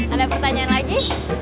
ada pertanyaan lagi